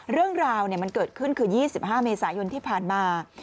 เรื่องราวมันเกิดขึ้นคือ๒๕เมษายนที่ผ่านมา